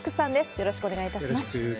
よろしくお願いします。